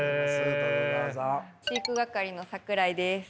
飼育係の桜井です。